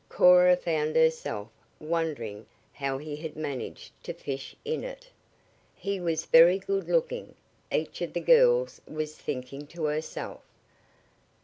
Cora found herself wondering how he had managed to fish in it. He was very good looking, each of the girls was thinking to herself.